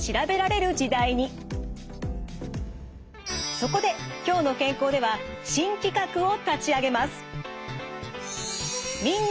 そこで「きょうの健康」では新企画を立ち上げます。